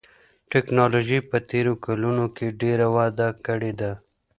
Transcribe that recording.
تکنالوژي په تېرو کلونو کې ډېره وده کړې ده.